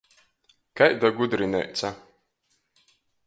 Kaida gudrineica!